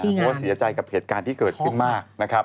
เพราะเสียใจกับเหตุการณ์ที่เกิดขึ้นมาก